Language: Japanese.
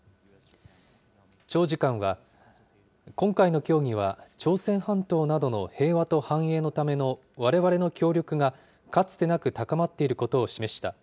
チョ次官は、今回の協議は、朝鮮半島などの平和と繁栄のためのわれわれの協力がかつてなく高まっていることを示した。